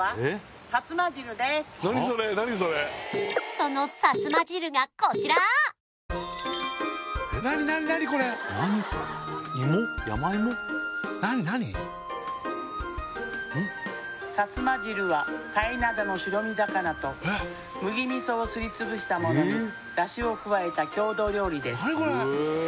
そのさつま汁がこちらさつま汁は鯛などの白身魚と麦味噌をすり潰したものに出汁を加えた郷土料理です